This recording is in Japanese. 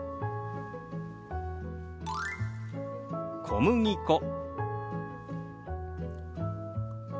「小麦粉」。